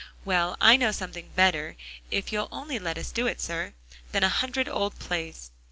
"Well, I know something better, if you'll only let us do it, sir, than a hundred old plays."